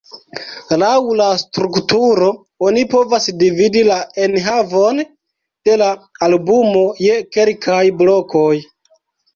Laŭ la strukturo oni povas dividi la enhavon de la albumo je kelkaj blokoj.